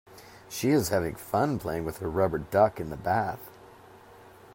She is having fun playing with her rubber duck in the bath